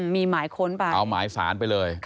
มีหมาค้นป่ะค่ะเอาหมาค้นสารไปเลย